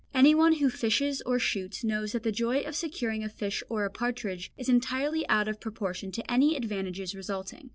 Anyone who fishes and shoots knows that the joy of securing a fish or a partridge is entirely out of proportion to any advantages resulting.